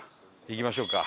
行きましょうか。